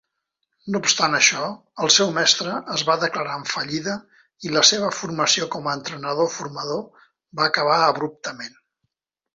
No obstant això, el seu mestre es va declarar en fallida i la seva formació com a entrenador-formador va acabar abruptament.